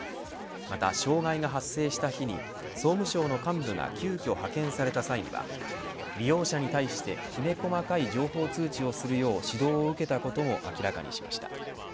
また、障害が発生した日に総務省の幹部が急きょ派遣された際には利用者に対してきめ細かい情報通知をするよう指導を受けたことも明らかにしました。